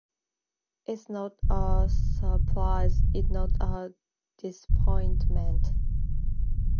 It's not a surprise, it's not a disappointment.